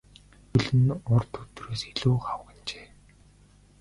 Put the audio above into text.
Хөл нь урд өдрөөс илүү хавагнажээ.